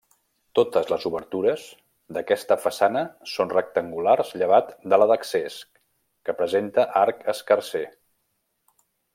Totes les obertures, d'aquesta façana són rectangulars llevat de la d'accés, que presenta arc escarser.